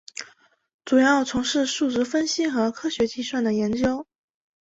主要从事数值分析和科学计算的研究。